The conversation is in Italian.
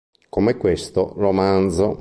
Come questo romanzo.